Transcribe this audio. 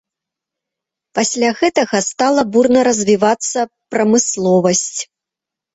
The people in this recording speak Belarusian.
Пасля гэтага стала бурна развівацца прамысловасць.